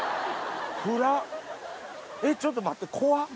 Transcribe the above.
えっちょっと待って。